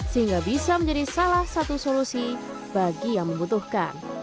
sehingga bisa menjadi salah satu kreator yang bisa menciptakan konten yang mengangkat isu sosial yang relevan